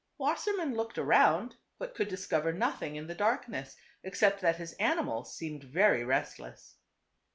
Wassermann looked around, but could discover nothing in the darkness, except that his animals seemed very restless.